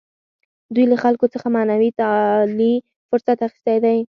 دوی له خلکو څخه معنوي تعالي فرصت اخیستی دی.